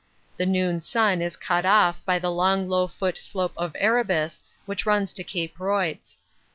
The noon sun is cut off by the long low foot slope of Erebus which runs to Cape Royds.